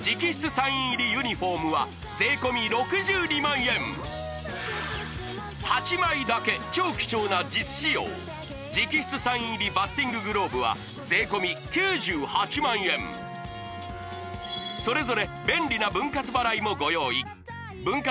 サイン入りユニフォームは税込６２００００円８枚だけ超貴重な実使用直筆サイン入りバッティンググローブは税込９８００００円それぞれ便利な分割払いもご用意分割